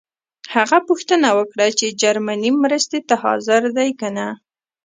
هغه پوښتنه وکړه چې جرمني مرستې ته حاضر دی کنه.